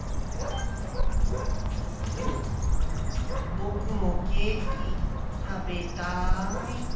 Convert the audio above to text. ぼくもケーキ食べたい。